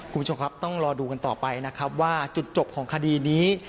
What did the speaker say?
คุณผู้ชมครับต้องรอดูกันต่อไปนะครับว่าจุดจบของคดีนี้